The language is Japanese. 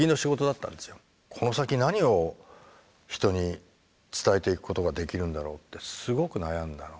この先何を人に伝えていくことができるんだろうってすごく悩んだの。